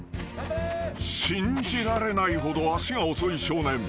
［信じられないほど足が遅い少年。